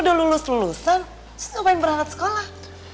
udah lulus lulusan saya ngapain berangkat sekolah